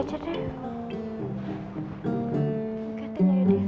kiki lagi dateng lagi